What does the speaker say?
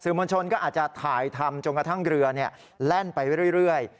มวลชนก็อาจจะถ่ายทำจนกระทั่งเรือแล่นไปเรื่อย